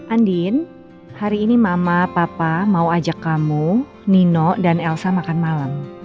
andin hari ini mama papa mau ajak kamu nino dan elsa makan malam